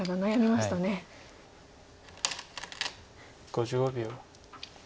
５５秒。